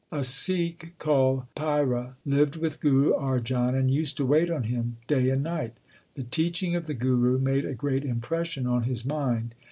A Sikh called Paira lived with Guru Arjan, and used to wait on him day and night. The teaching of the Guru made a great impression on his mind.